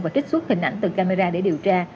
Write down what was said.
và trích xuất hình ảnh từ camera để điều tra